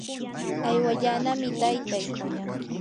aywallanami taytay.